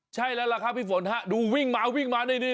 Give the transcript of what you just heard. ใช่แล้วล่ะครับพี่ฝนฮะดูวิ่งมาวิ่งมานี่